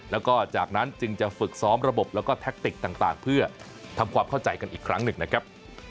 แล้วก็จากนั้นจึงจะฝึกซ้อมระบบแล้วก็แท็กติกต่างเพื่อทำความเข้าใจกันอีกครั้งหนึ่งนะครับ